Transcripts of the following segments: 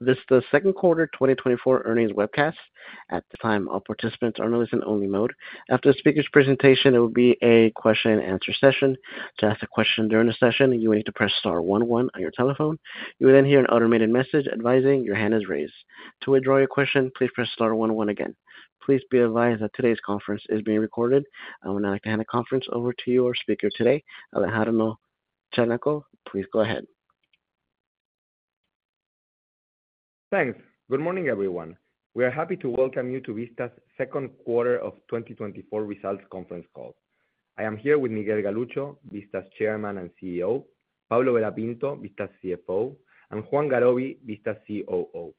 This is the second quarter 2024 earnings webcast. At this time, all participants are in listen-only mode. After the speaker's presentation, there will be a question and answer session. To ask a question during the session, you will need to press star one one on your telephone. You will then hear an automated message advising your hand is raised. To withdraw your question, please press star one one again. Please be advised that today's conference is being recorded. I would now like to hand the conference over to your speaker today, Alejandro Cherñacov. Please go ahead. Thanks. Good morning, everyone. We are happy to welcome you to Vista's second quarter of 2024 results conference call. I am here with Miguel Galuccio, Vista's Chairman and CEO, Pablo Vera Pinto, Vista's CFO, and Juan Garoby, Vista's COO.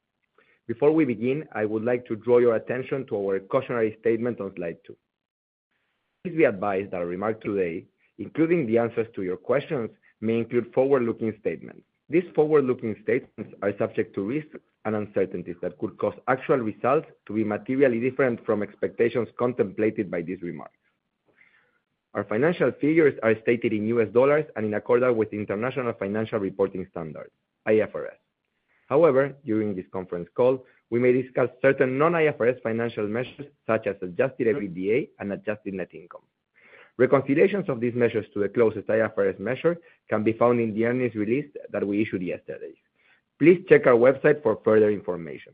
Before we begin, I would like to draw your attention to our cautionary statement on slide 2. Please be advised that our remarks today, including the answers to your questions, may include forward-looking statements. These forward-looking statements are subject to risks and uncertainties that could cause actual results to be materially different from expectations contemplated by these remarks. Our financial figures are stated in U.S. dollars and in accordance with International Financial Reporting Standards, IFRS. However, during this conference call, we may discuss certain non-IFRS financial measures, such as adjusted EBITDA and adjusted net income. Reconciliations of these measures to the closest IFRS measure can be found in the earnings release that we issued yesterday. Please check our website for further information.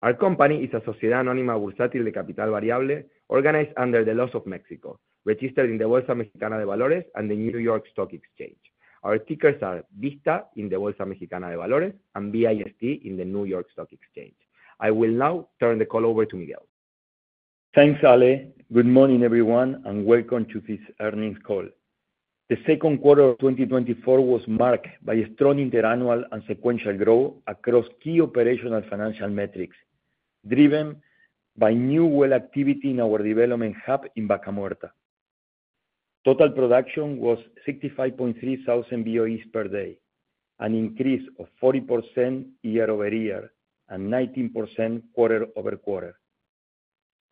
Our company is a sociedad anónima bursátil de capital variable, organized under the laws of Mexico, registered in the Bolsa Mexicana de Valores and the New York Stock Exchange. Our tickers are VISTA in the Bolsa Mexicana de Valores and VIST in the New York Stock Exchange. I will now turn the call over to Miguel. Thanks, Ale. Good morning, everyone, and welcome to this earnings call. The second quarter of 2024 was marked by a strong interannual and sequential growth across key operational financial metrics, driven by new well activity in our development hub in Vaca Muerta. Total production was 65.3 thousand BOEs per day, an increase of 40% year-over-year and 19% quarter-over-quarter.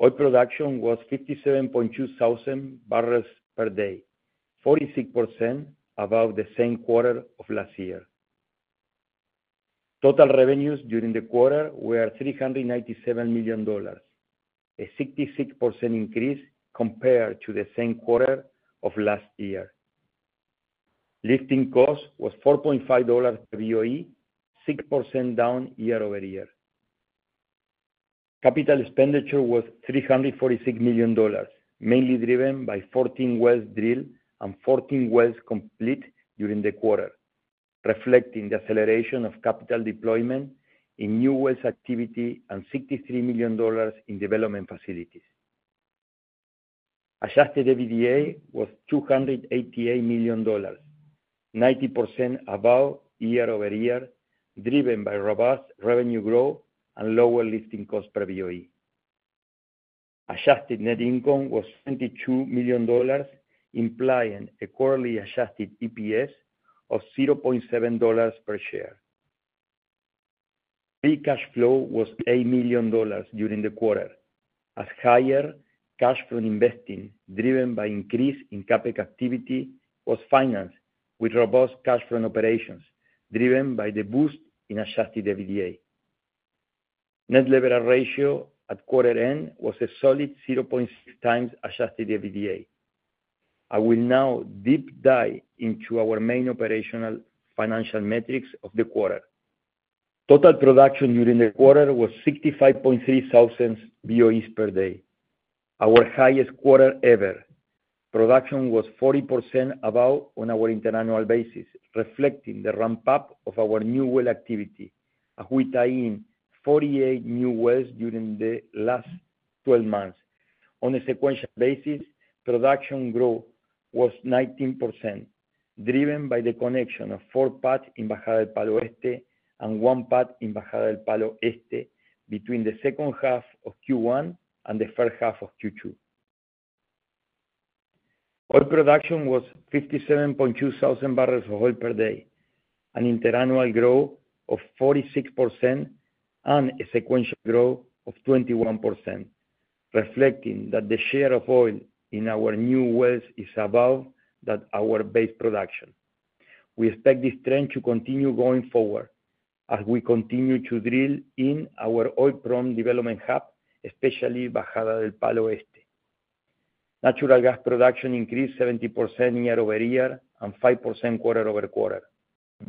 Oil production was 57.2 thousand barrels per day, 46% above the same quarter of last year. Total revenues during the quarter were $397 million, a 66% increase compared to the same quarter of last year. Lifting cost was $4.5/BOE, 6% down year-over-year. Capital expenditure was $346 million, mainly driven by 14 wells drilled and 14 wells complete during the quarter, reflecting the acceleration of capital deployment in new wells activity and $63 million in development facilities. Adjusted EBITDA was $288 million, 90% above year-over-year, driven by robust revenue growth and lower lifting costs per BOE. Adjusted net income was $22 million, implying a quarterly adjusted EPS of $0.7 per share. Free cash flow was $8 million during the quarter, as higher cash flow investing, driven by increase in CapEx activity, was financed with robust cash flow operations, driven by the boost in adjusted EBITDA. Net leverage ratio at quarter end was a solid 0.6 times adjusted EBITDA. I will now deep dive into our main operational financial metrics of the quarter. Total production during the quarter was 65.3 thousand BOEs per day, our highest quarter ever. Production was 40% above on our interannual basis, reflecting the ramp-up of our new well activity, as we tie in 48 new wells during the last 12 months. On a sequential basis, production growth was 19%, driven by the connection of four pads in Bajada del Palo Este and one pad in Bajada del Palo Oeste between the second half of Q1 and the first half of Q2. Oil production was 57.2 thousand barrels of oil per day, an interannual growth of 46% and a sequential growth of 21%, reflecting that the share of oil in our new wells is above that our base production. We expect this trend to continue going forward as we continue to drill in our oil development hub, especially Bajada del Palo Este. Natural gas production increased 70% year over year and 5% quarter over quarter.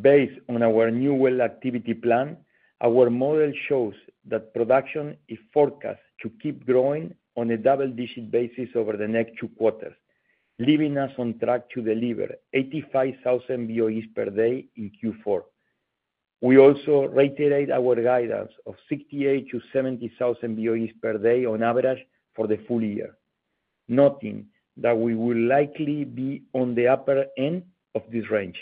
Based on our new well activity plan, our model shows that production is forecast to keep growing on a double-digit basis over the next two quarters, leaving us on track to deliver 85,000 BOEs per day in Q4. We also reiterate our guidance of 68,000-70,000 BOEs per day on average for the full year, noting that we will likely be on the upper end of this range.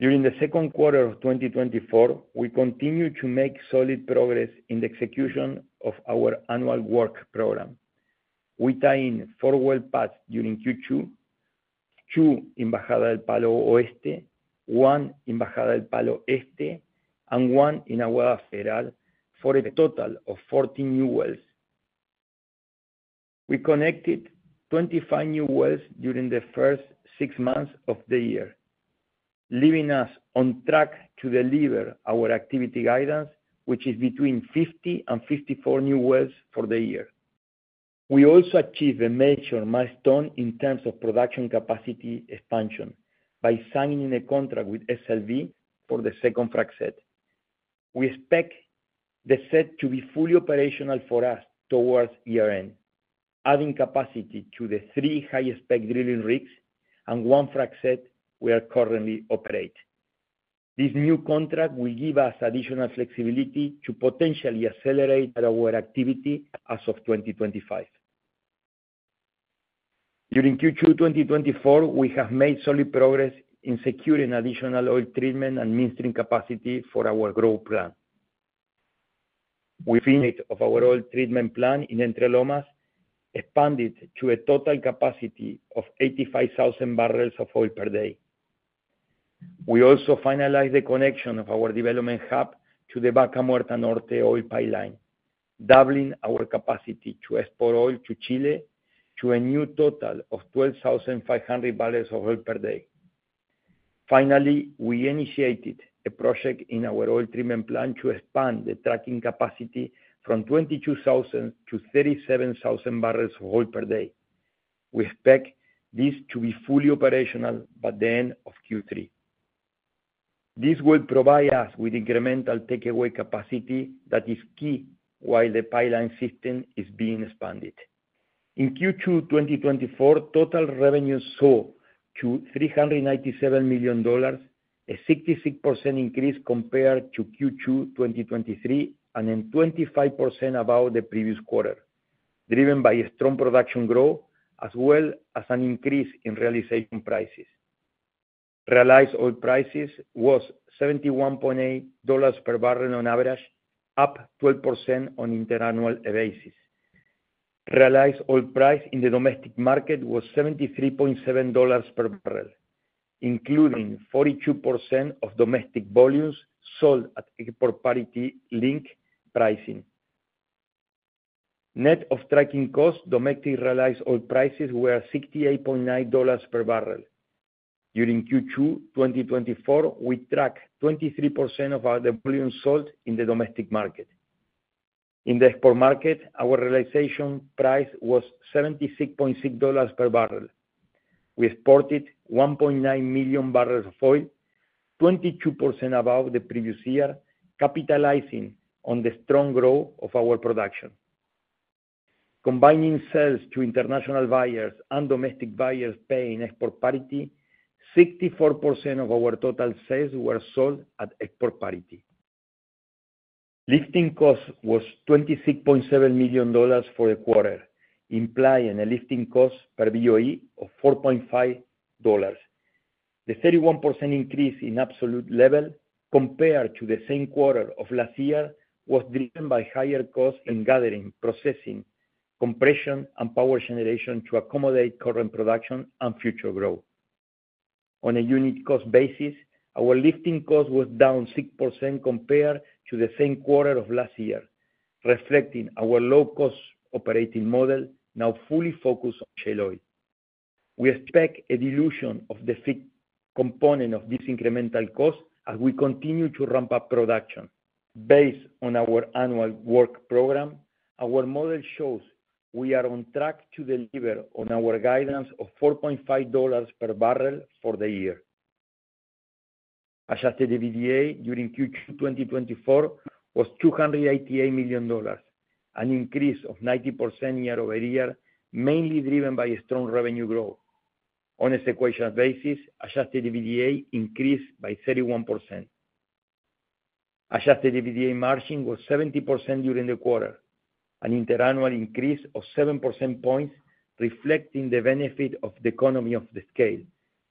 During the second quarter of 2024, we continued to make solid progress in the execution of our annual work program. We tied in 4 well pads during Q2, 2 in Bajada del Palo Oeste, 1 in Bajada del Palo Este, and 1 in Aguada Federal, for a total of 14 new wells. We connected 25 new wells during the first six months of the year, leaving us on track to deliver our activity guidance, which is between 50 and 54 new wells for the year. We also achieved a major milestone in terms of production capacity expansion by signing a contract with SLB for the second frac set. We expect the set to be fully operational for us towards year-end, adding capacity to the three high-spec drilling rigs and one frac set we are currently operate. This new contract will give us additional flexibility to potentially accelerate our activity as of 2025. During Q2 2024, we have made solid progress in securing additional oil treatment and midstream capacity for our growth plan. We expanded our oil treatment plant in Entre Lomas to a total capacity of 85,000 barrels of oil per day. We also finalized the connection of our development hub to the Vaca Muerta Norte oil pipeline, doubling our capacity to export oil to Chile to a new total of 12,500 barrels of oil per day. Finally, we initiated a project in our oil treatment plant to expand the treating capacity from 22,000 to 37,000 barrels of oil per day. We expect this to be fully operational by the end of Q3. This will provide us with incremental takeaway capacity that is key while the pipeline system is being expanded. In Q2 2024, total revenue soared to $397 million, a 66% increase compared to Q2 2023, and then 25% above the previous quarter, driven by a strong production growth, as well as an increase in realization prices. Realized oil prices was $71.8 per barrel on average, up 12% on an interannual basis. Realized oil price in the domestic market was $73.7 per barrel, including 42% of domestic volumes sold at export parity-linked pricing. Net of trucking costs, domestic realized oil prices were $68.9 per barrel. During Q2 2024, we trucked 23% of our volume sold in the domestic market. In the export market, our realization price was $76.6 per barrel. We exported 1.9 million barrels of oil, 22% above the previous year, capitalizing on the strong growth of our production. Combining sales to international buyers and domestic buyers paying export parity, 64% of our total sales were sold at export parity. Lifting cost was $26.7 million for a quarter, implying a lifting cost per BOE of $4.5. The 31% increase in absolute level compared to the same quarter of last year was driven by higher costs in gathering, processing, compression, and power generation to accommodate current production and future growth. On a unique cost basis, our lifting cost was down 6% compared to the same quarter of last year, reflecting our low-cost operating model, now fully focused on shale oil. We expect a dilution of the fixed component of this incremental cost as we continue to ramp up production. Based on our annual work program, our model shows we are on track to deliver on our guidance of $4.5 per barrel for the year. Adjusted EBITDA during Q2 2024 was $288 million, an increase of 90% year-over-year, mainly driven by a strong revenue growth. On a sequential basis, adjusted EBITDA increased by 31%. Adjusted EBITDA margin was 70% during the quarter, an interannual increase of 7 percentage points, reflecting the benefit of the economies of scale,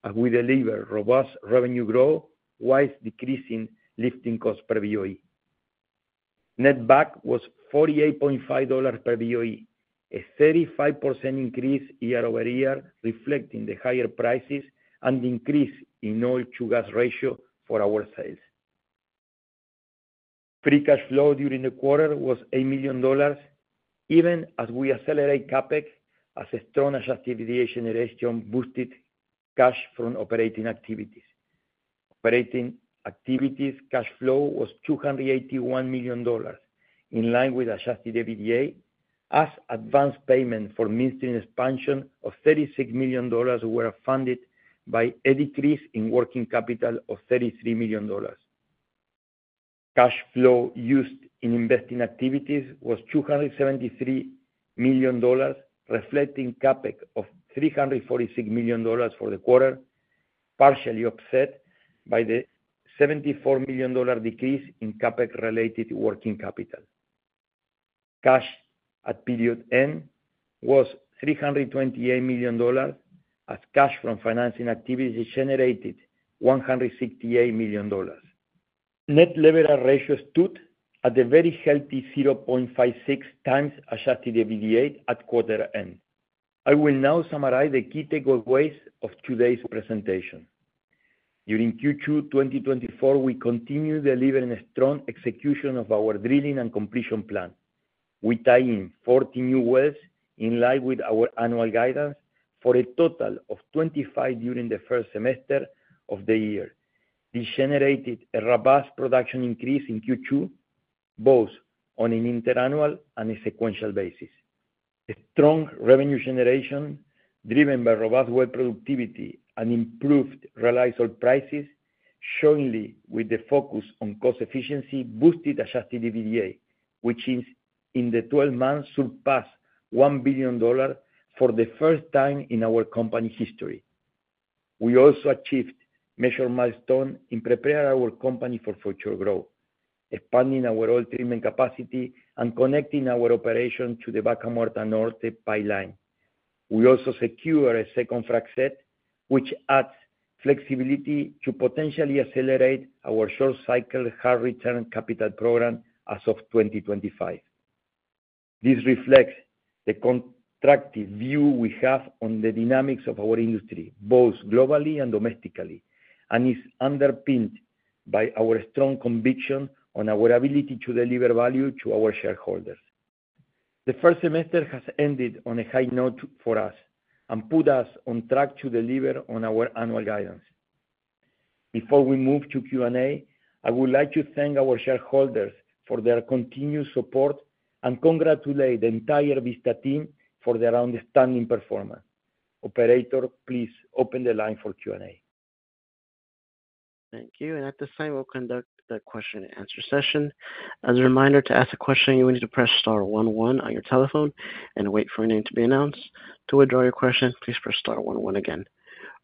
as we deliver robust revenue growth, while decreasing lifting costs per BOE. Netback was $48.5 per BOE, a 35% increase year-over-year, reflecting the higher prices and increase in oil to gas ratio for our sales. Free cash flow during the quarter was $8 million, even as we accelerate CapEx as a strong activity generation boosted cash from operating activities. Operating activities cash flow was $281 million, in line with adjusted EBITDA, as advanced payment for midstream expansion of $36 million were funded by a decrease in working capital of $33 million. Cash flow used in investing activities was $273 million, reflecting CapEx of $346 million for the quarter, partially offset by the $74 million dollar decrease in CapEx related to working capital. Cash at period end was $328 million, as cash from financing activities generated $168 million. Net leverage ratio stood at a very healthy 0.56 times Adjusted EBITDA at quarter end. I will now summarize the key takeaways of today's presentation... During Q2 2024, we continued delivering a strong execution of our drilling and completion plan. We tie in 40 new wells, in line with our annual guidance, for a total of 25 during the first semester of the year. This generated a robust production increase in Q2, both on an interannual and a sequential basis. A strong revenue generation, driven by robust well productivity and improved realizable prices, along with the focus on cost efficiency, boosted Adjusted EBITDA, which in the 12 months surpassed $1 billion for the first time in our company history. We also achieved measured milestone in preparing our company for future growth, expanding our oil treatment capacity and connecting our operation to the Vaca Muerta Norte pipeline. We also secure a second frac set, which adds flexibility to potentially accelerate our short cycle, high return capital program as of 2025. This reflects the constructive view we have on the dynamics of our industry, both globally and domestically, and is underpinned by our strong conviction on our ability to deliver value to our shareholders. The first semester has ended on a high note for us and put us on track to deliver on our annual guidance. Before we move to Q&A, I would like to thank our shareholders for their continued support, and congratulate the entire Vista team for their outstanding performance. Operator, please open the line for Q&A. Thank you. At this time, we'll conduct the question and answer session. As a reminder, to ask a question, you will need to press star one one on your telephone and wait for your name to be announced. To withdraw your question, please press star one one again.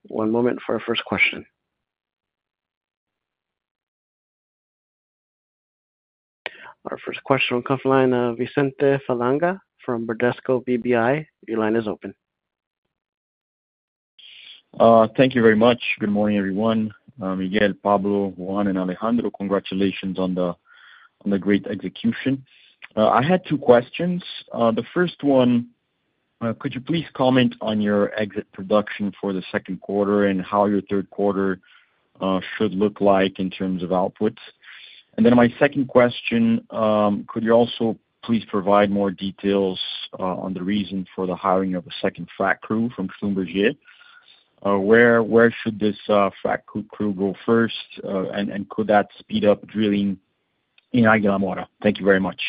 One moment for our first question. Our first question from conference line, Vicente Falanga from Bradesco BBI, your line is open. Thank you very much. Good morning, everyone. Miguel, Pablo, Juan, and Alejandro, congratulations on the great execution. I had two questions. The first one, could you please comment on your exit production for the second quarter and how your third quarter should look like in terms of outputs? And then my second question, could you also please provide more details on the reason for the hiring of a second frac crew from Schlumberger? Where should this frac crew go first? And could that speed up drilling in Aguila Mora? Thank you very much.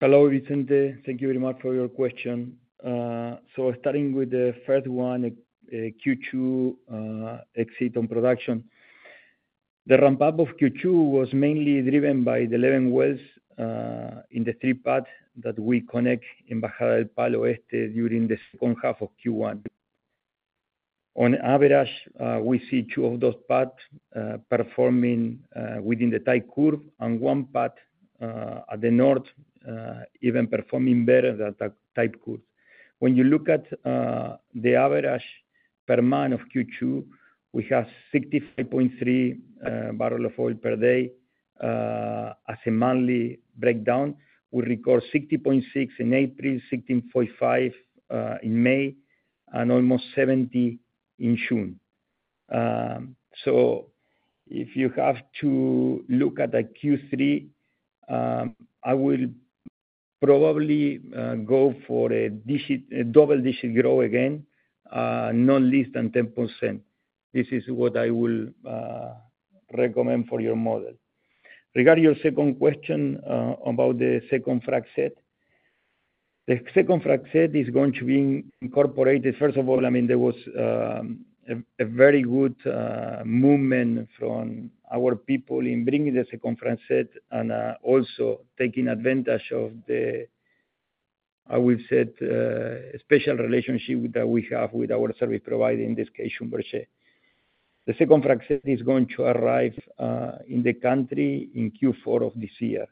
Hello, Vicente. Thank you very much for your question. Starting with the first one, Q2 exit on production. The ramp-up of Q2 was mainly driven by the 11 wells in the 3 pad that we connect in Bajada del Palo Este during the second half of Q1. On average, we see 2 of those pads performing within the type curve and 1 pad at the north even performing better than the type curve. When you look at the average per month of Q2, we have 65.3 barrel of oil per day. As a monthly breakdown, we record 60.6 in April, 16.5 in May, and almost 70 in June. So if you have to look at the Q3, I will probably go for a double-digit growth again, not less than 10%. This is what I will recommend for your model. Regarding your second question about the second frac set. The second frac set is going to be incorporated. First of all, I mean, there was a very good movement from our people in bringing the second frac set and also taking advantage of the, I would say, special relationship that we have with our service provider, in this case, Schlumberger. The second frac set is going to arrive in the country in Q4 of this year,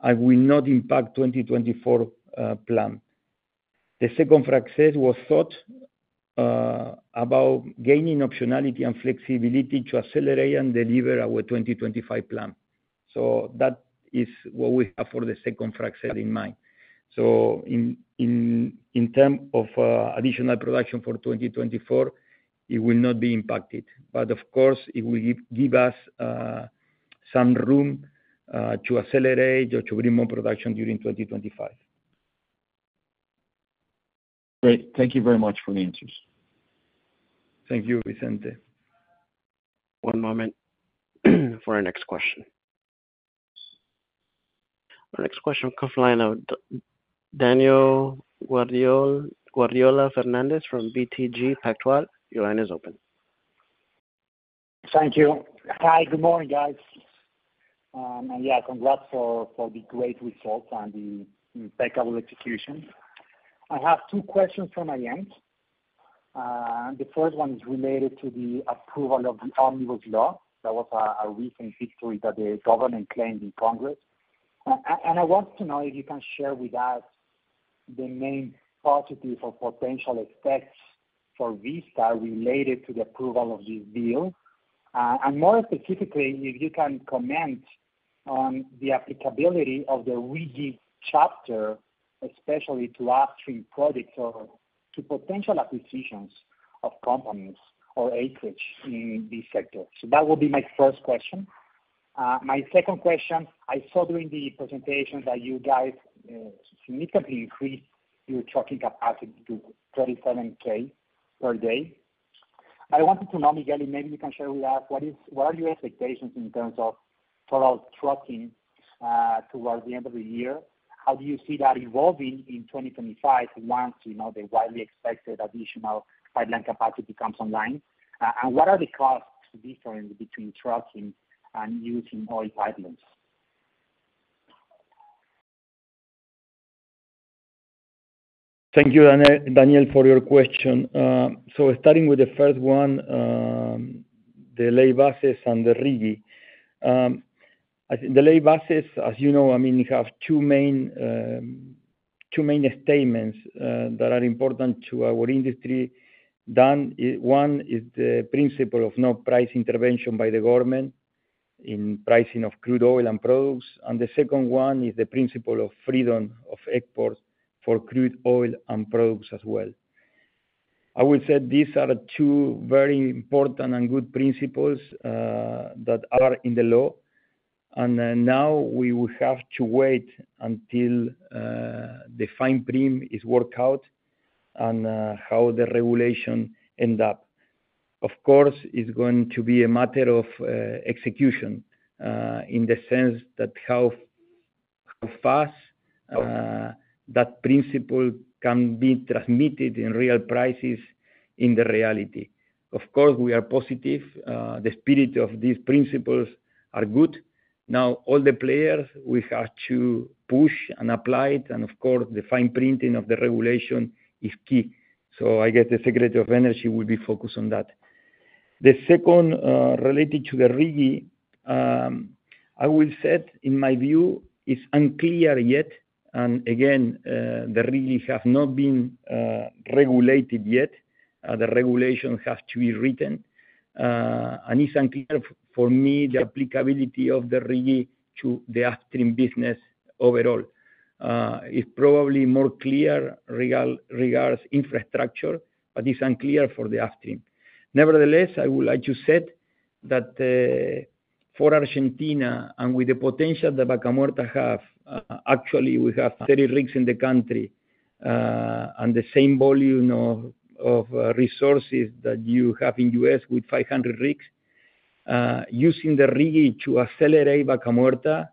and will not impact 2024 plan. The second frac set was thought about gaining optionality and flexibility to accelerate and deliver our 2025 plan. So that is what we have for the second frac set in mind. So in terms of additional production for 2024, it will not be impacted. But of course, it will give us some room to accelerate or to bring more production during 2025. Great. Thank you very much for the answers. Thank you, Vicente. One moment for our next question. Our next question comes from the line of Daniel Guardiola from BTG Pactual. Your line is open. Thank you. Hi, good morning, guys. Yeah, congrats for the great results and the impeccable execution. I have two questions from my end. The first one is related to the approval of the Omnibus law. That was a recent victory that the government claimed in Congress. And I want to know if you can share with us the main positive or potential effects for Vista related to the approval of this bill. And more specifically, if you can comment on the applicability of the RIGI chapter, especially to upstream products or to potential acquisitions of companies or acreage in this sector. So that would be my first question. My second question, I saw during the presentation that you guys significantly increased your trucking capacity to 27k per day. I wanted to know, Miguel, maybe you can share with us what are your expectations in terms of total trucking towards the end of the year? How do you see that evolving in 2025 once, you know, the widely expected additional pipeline capacity comes online? And what are the cost difference between trucking and using oil pipelines? Thank you, Dane- Daniel, for your question. So starting with the first one, the Ley Bases and the RIGI. I think the Ley Bases, as you know, I mean, you have two main, two main statements, that are important to our industry. Then, one, is the principle of no price intervention by the government in pricing of crude oil and products. And the second one is the principle of freedom of export for crude oil and products as well. I would say these are the two very important and good principles, that are in the law. And then now we will have to wait until, the fine print is worked out on, how the regulation end up. Of course, it's going to be a matter of execution, in the sense that how fast that principle can be transmitted in real prices in the reality. Of course, we are positive. The spirit of these principles are good. Now, all the players, we have to push and apply it, and of course, the fine printing of the regulation is key. So I guess the Secretary of Energy will be focused on that. The second, related to the RIGI, I will say, in my view, it's unclear yet, and again, the RIGI have not been regulated yet. The regulation has to be written. And it's unclear for me the applicability of the RIGI to the upstream business overall. It's probably more clear regards infrastructure, but it's unclear for the upstream. Nevertheless, I would like to say that, for Argentina, and with the potential that Vaca Muerta have, actually we have 30 rigs in the country, and the same volume of resources that you have in U.S. with 500 rigs. Using the RIGI to accelerate Vaca Muerta,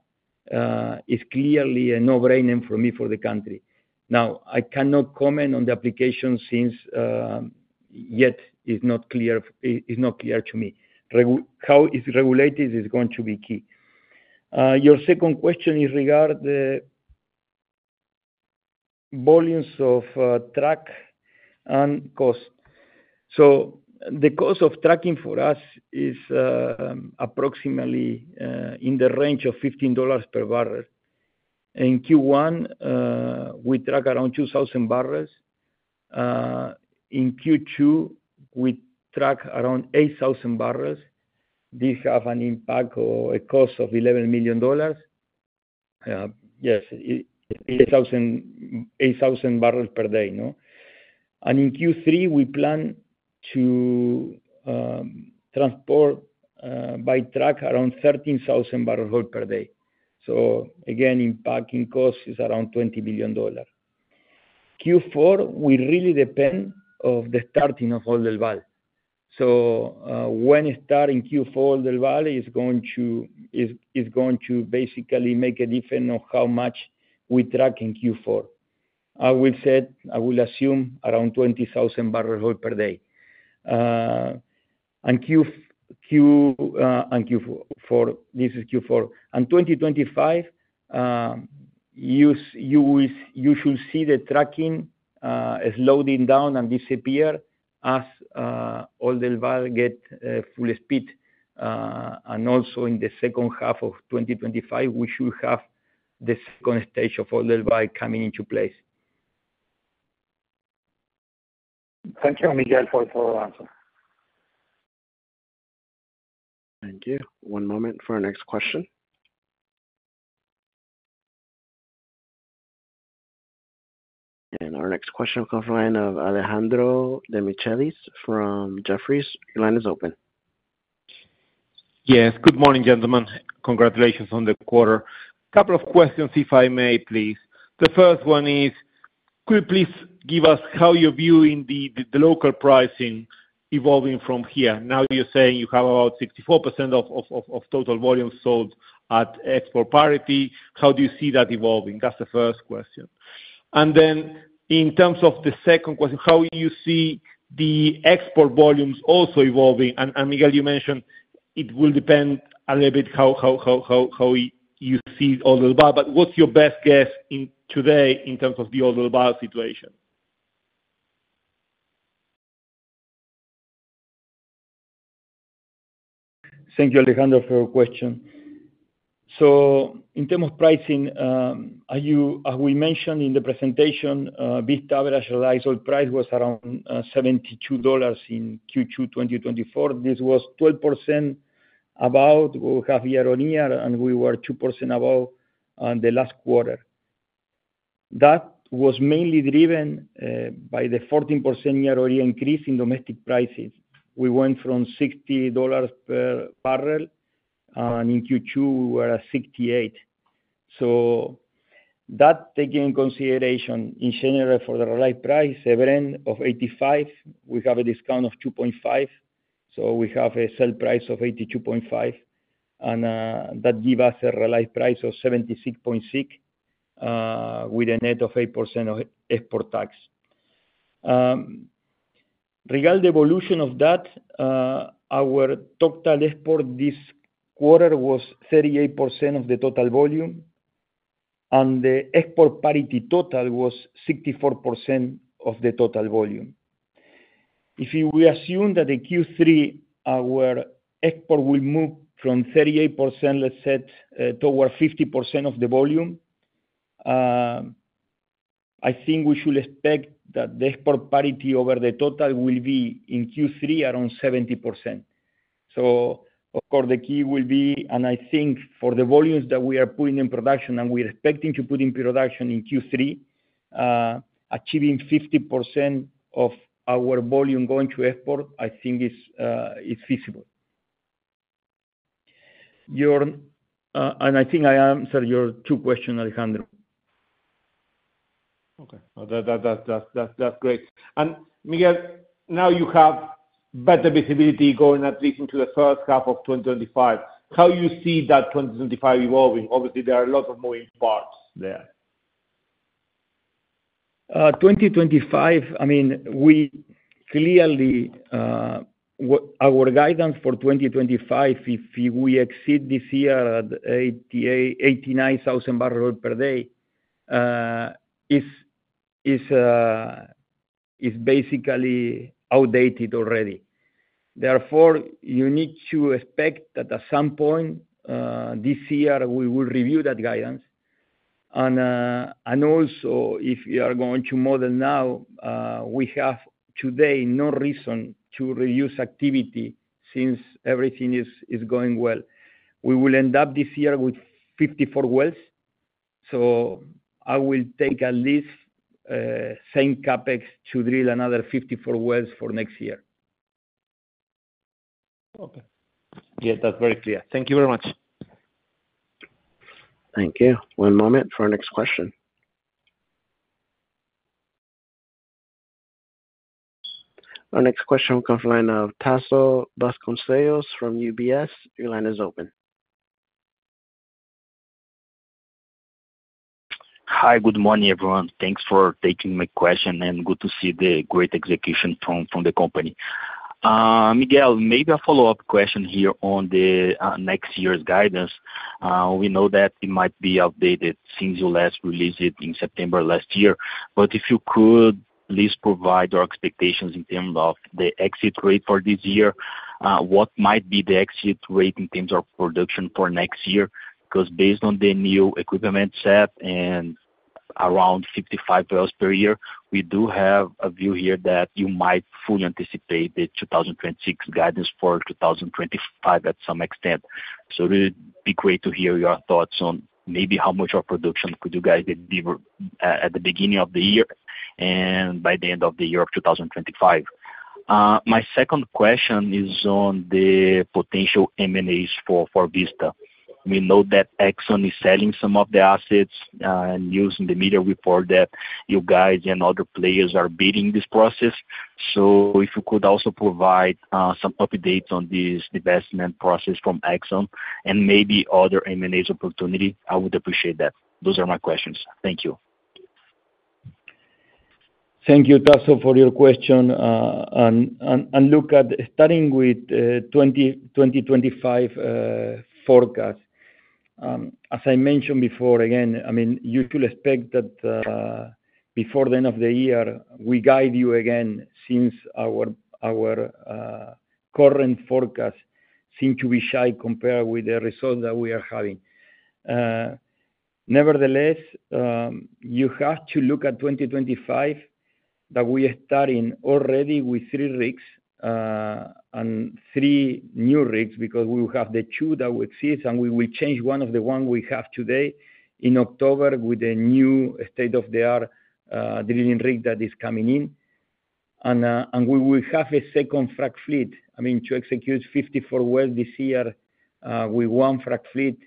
is clearly a no-brainer for me, for the country. Now, I cannot comment on the application since yet it's not clear, it's not clear to me. Regarding how it's regulated is going to be key. Your second question is regarding the volumes of truck and cost. So the cost of trucking for us is, approximately, in the range of $15 per barrel. In Q1, we truck around 2,000 barrels. In Q2, we truck around 8,000 barrels. This have an impact or a cost of $11 million. Yes, 8,000, 8,000 barrels per day, no? And in Q3, we plan to transport by truck around 13,000 barrels per day. So again, impacting cost is around $20 million. Q4 will really depend on the starting of Oldelval. So, when it start in Q4, Oldelval is going to, is, is going to basically make a difference on how much we truck in Q4. I will say, I will assume around 20,000 barrels per day. And Q4, this is Q4. And 2025, you will, you should see the trucking as slowing down and disappear as Oldelval get full speed. And also in the second half of 2025, we should have the second stage of Oldelval coming into place. Thank you, Miguel, for answer. Thank you. One moment for our next question. Our next question will come from the line of Alejandro Demichelis from Jefferies. Your line is open. Yes, good morning, gentlemen. Congratulations on the quarter. Couple of questions, if I may, please. The first one is, could you please give us how you're viewing the local pricing evolving from here? Now, you're saying you have about 64% of total volume sold at export parity. How do you see that evolving? That's the first question. And then in terms of the second question, how you see the export volumes also evolving? And, and Miguel, you mentioned it will depend a little bit how you see Oldelval, but what's your best guess today in terms of the Oldelval situation? Thank you, Alejandro, for your question. So in terms of pricing, are you—as we mentioned in the presentation, Vaca Muerta realized oil price was around $72 in Q2 2024. This was 12% above what we have year-on-year, and we were 2% above on the last quarter. That was mainly driven by the 14% year-over-year increase in domestic prices. We went from $60 per barrel, and in Q2 we were at $68. So that take in consideration in general for the realized price, 70 of 85, we have a discount of 2.5, so we have a sell price of $82.5. And that give us a realized price of $76.6, with a net of 8% of export tax. Regarding the evolution of that, our total export this quarter was 38% of the total volume, and the export parity total was 64% of the total volume. If you will assume that the Q3, our export will move from 38%, let's say, toward 50% of the volume, I think we should expect that the export parity over the total will be in Q3, around 70%. So of course, the key will be, and I think for the volumes that we are putting in production, and we're expecting to put in production in Q3, achieving 50% of our volume going to export, I think is feasible. You, and I think I answered your two questions, Alejandro. Okay. Well, that's great. And Miguel, now you have better visibility going at least into the first half of 2025. How you see that 2025 evolving? Obviously, there are a lot of moving parts there. 2025, I mean, we clearly our guidance for 2025, if we exceed this year at 88,000-89,000 barrels per day, is basically outdated already. Therefore, you need to expect that at some point this year, we will review that guidance. And also, if you are going to model now, we have today no reason to reduce activity since everything is going well. We will end up this year with 54 wells, so I will take at least same CapEx to drill another 54 wells for next year. Okay. Yes, that's very clear. Thank you very much. Thank you. One moment for our next question. Our next question comes from the line of Tasso Vasconcellos from UBS. Your line is open. Hi, good morning, everyone. Thanks for taking my question, and good to see the great execution from the company. Miguel, maybe a follow-up question here on the next year's guidance. We know that it might be updated since you last released it in September last year. But if you could please provide your expectations in terms of the exit rate for this year, what might be the exit rate in terms of production for next year? Because based on the new equipment set and around 55 wells per year, we do have a view here that you might fully anticipate the 2026 guidance for 2025 at some extent. So it would be great to hear your thoughts on maybe how much of production could you guys deliver, at the beginning of the year and by the end of the year of 2025. My second question is on the potential M&As for, for Vista. We know that Exxon is selling some of the assets, and news in the media report that you guys and other players are bidding this process. So if you could also provide, some updates on this divestment process from Exxon and maybe other M&As opportunity, I would appreciate that. Those are my questions. Thank you. Thank you, Tasso, for your question. Look at starting with 2025 forecast. As I mentioned before, again, I mean, you could expect that before the end of the year, we guide you again, since our current forecast seem to be shy compared with the result that we are having. Nevertheless, you have to look at 2025, that we are starting already with three rigs and three new rigs, because we will have the two that we exist, and we will change one of the one we have today in October with a new state-of-the-art drilling rig that is coming in. We will have a second frack fleet. I mean, to execute 54 wells this year, with one frac fleet,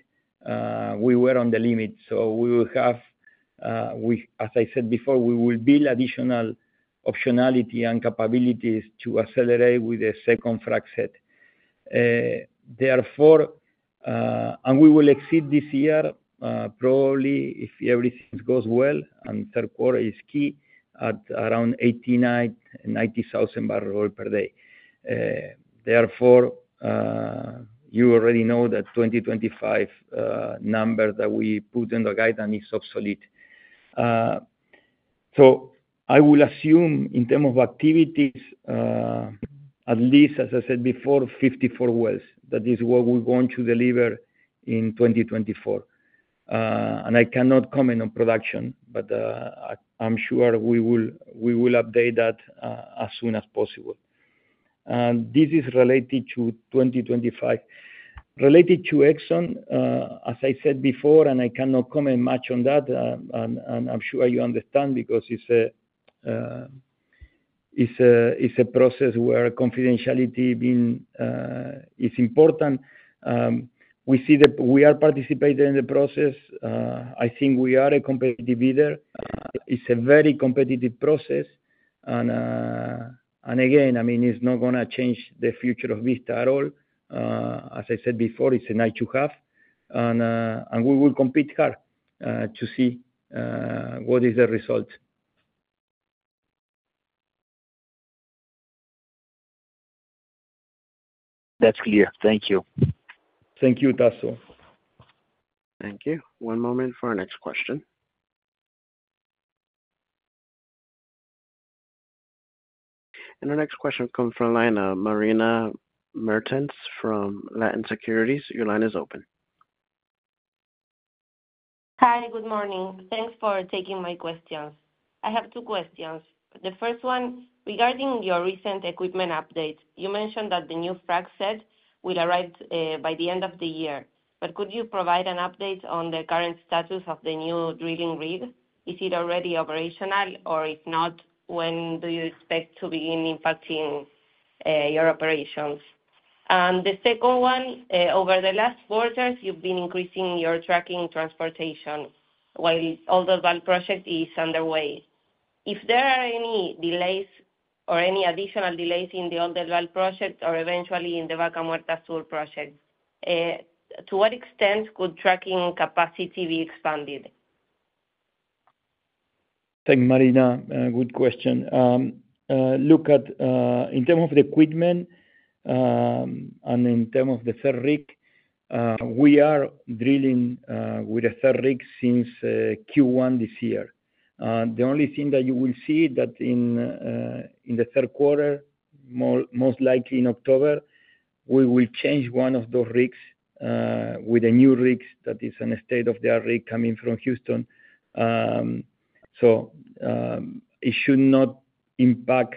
we were on the limit, so we will have, as I said before, we will build additional optionality and capabilities to accelerate with a second frac set. Therefore, we will exceed this year, probably if everything goes well, and third quarter is key, at around 89,000-90,000 barrels per day. Therefore, you already know that 2025 number that we put in the guidance is obsolete. So I will assume in terms of activities, at least as I said before, 54 wells, that is what we're going to deliver in 2024. And I cannot comment on production, but I'm sure we will update that as soon as possible. And this is related to 2025. Related to Exxon, as I said before, and I cannot comment much on that, and I'm sure you understand because it's a process where confidentiality is important. We see that we are participating in the process. I think we are a competitive bidder. It's a very competitive process, and again, I mean, it's not gonna change the future of Vista at all. As I said before, it's an two half, and we will compete hard to see what is the result. That's clear. Thank you. Thank you, Tasso. Thank you. One moment for our next question. Our next question comes from the line of Marina Mertens from Latin Securities. Your line is open. Hi, good morning. Thanks for taking my questions. I have two questions. The first one, regarding your recent equipment update, you mentioned that the new frac set will arrive by the end of the year. But could you provide an update on the current status of the new drilling rig? Is it already operational, or if not, when do you expect to begin impacting your operations? And the second one, over the last quarters, you've been increasing your trucking transportation while the Oldelval project is underway. If there are any delays or any additional delays in the Oldelval project or eventually in the Vaca Muerta Sur project, to what extent could trucking capacity be expanded? Thank you, Marina. Good question. Look, in terms of the equipment, and in terms of the third rig, we are drilling with the third rig since Q1 this year. The only thing that you will see that in the third quarter, most likely in October, we will change one of those rigs with a new rig that is a state-of-the-art rig coming from Houston. So, it should not impact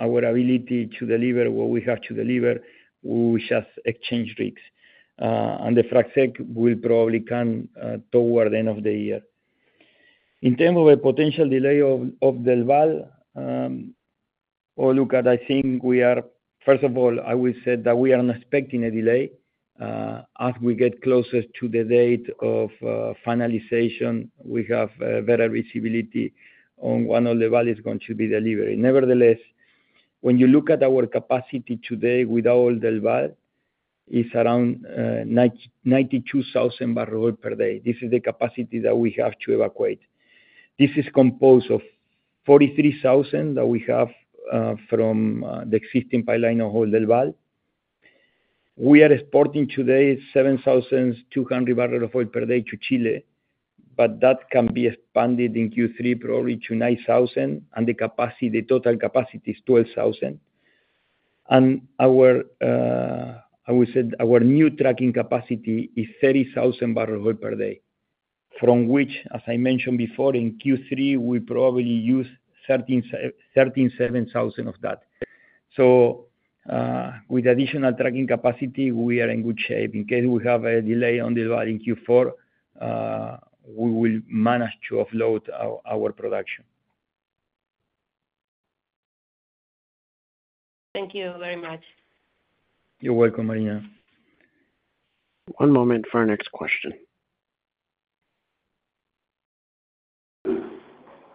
our ability to deliver what we have to deliver. We just exchange rigs. And the frac set will probably come toward the end of the year. In terms of a potential delay of the well, well, look, I think we are... First of all, I will say that we are not expecting a delay. As we get closer to the date of finalization, we have better visibility on when Oldelval is going to be delivered. Nevertheless, when you look at our capacity today with Oldelval, it's around 992,000 barrels per day. This is the capacity that we have to evacuate. This crude is composed of 43,000 that we have from the existing pipeline of Oldelval. We are exporting today 7,200 barrels of oil per day to Chile, but that can be expanded in Q3 probably to 9,000, and the capacity, the total capacity is 12,000. And our, I would say our new trucking capacity is 30,000 barrels of oil per day, from which, as I mentioned before, in Q3, we probably use 13,700 of that. So, with additional trucking capacity, we are in good shape. In case we have a delay in drilling Q4, we will manage to offload our production. Thank you very much. You're welcome, Marina. One moment for our next question.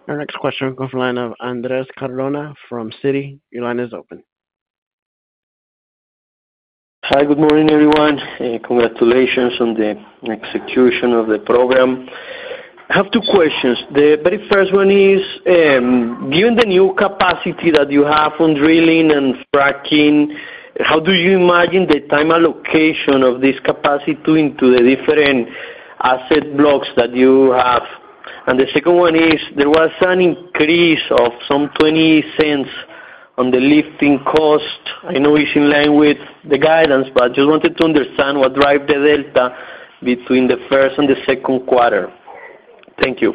Our next question comes from the line of Andres Cardona from Citi. Your line is open. Hi, good morning, everyone, and congratulations on the execution of the program. I have 2 questions. The very first one is, given the new capacity that you have on drilling and fracking, how do you imagine the time allocation of this capacity into the different asset blocks that you have? And the second one is, there was an increase of some $0.20 on the lifting cost. I know it's in line with the guidance, but just wanted to understand what drive the delta between the first and the second quarter. Thank you.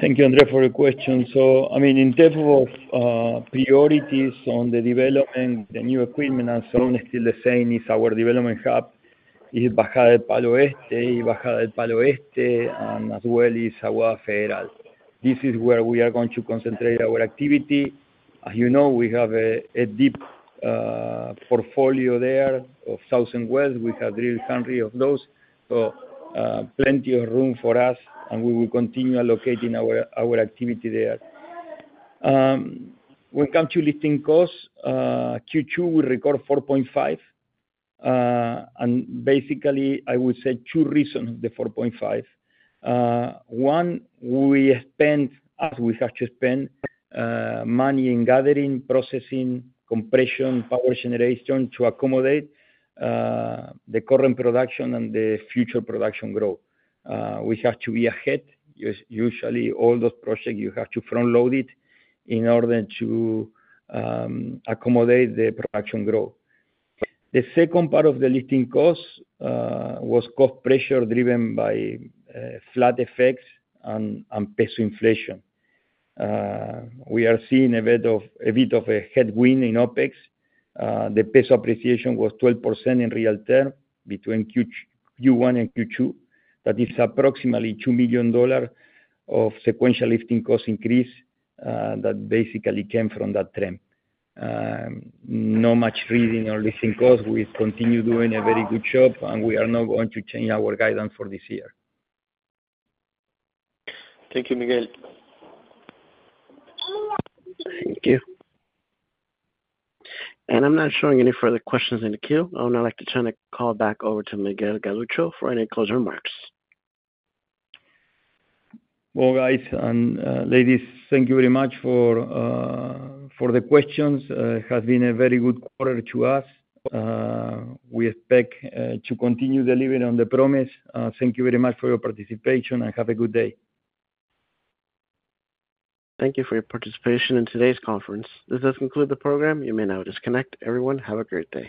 Thank you, Andres, for your question. So I mean, in terms of priorities on the development, the new equipment are still the same as our development hub, is Bajada del Palo Este, Bajada del Palo Este, and as well is Aguada Federal. This is where we are going to concentrate our activity. As you know, we have a deep portfolio there of southern wells. We have drilled hundreds of those, so plenty of room for us, and we will continue allocating our activity there. When it comes to lifting costs, Q2, we record $4.5. And basically, I would say two reasons, the $4.5. One, we spent, as we have to spend, money in gathering, processing, compression, power generation to accommodate the current production and the future production growth. We have to be ahead. Usually, all those projects, you have to front load it in order to accommodate the production growth. The second part of the lifting costs was cost pressure driven by flat effects and peso inflation. We are seeing a bit of a headwind in OpEx. The peso appreciation was 12% in real term between Q1 and Q2. That is approximately $2 million of sequential lifting cost increase that basically came from that trend. No much freezing or lifting costs. We continue doing a very good job, and we are not going to change our guidance for this year. Thank you, Miguel. Thank you. I'm not showing any further questions in the queue. I would now like to turn the call back over to Miguel Galuccio for any closing remarks. Well, guys and ladies, thank you very much for the questions. It has been a very good quarter to us. We expect to continue delivering on the promise. Thank you very much for your participation, and have a good day. Thank you for your participation in today's conference. This does conclude the program. You may now disconnect. Everyone, have a great day.